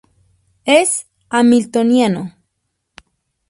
Es hamiltoniano.